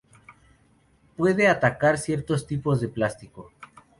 Puede atacar ciertos tipos de plástico.